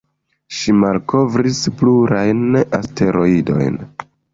Ŝi malkovris plurajn asteroidojn.